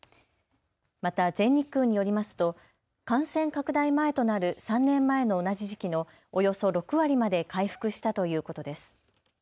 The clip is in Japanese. また全日空によりますと、感染拡大前となる３年前の同じ時期のおよそ６割まで回復したということです。